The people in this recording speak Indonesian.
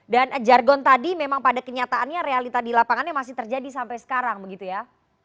dan jargon tadi memang pada kenyataannya realita di lapangannya masih terjadi sampai sekarang begitu ya